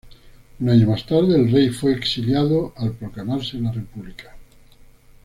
Un año más tarde el rey fue exiliado al proclamarse la república.